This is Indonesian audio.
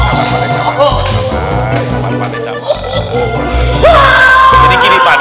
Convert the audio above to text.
hai kali itu menurut saya menyadari bahwa